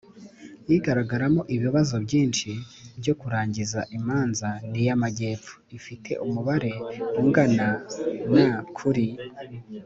igaragaramo ibibazo byinshi byo kurangiza imanza ni iy Amajyepfo ifite umubare ungana na kuri